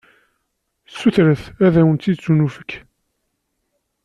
Sutret, ad wen-d-ittunefk!